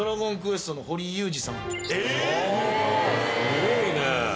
すごいね。